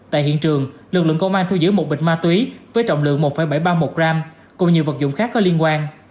tại hiện trường lực lượng công an thu giữ một bịch ma túy với trọng lượng một bảy trăm ba mươi một gram cùng nhiều vật dụng khác có liên quan